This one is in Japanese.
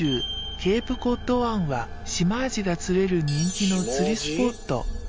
ケープコッド湾はシマアジが釣れる人気の釣りスポット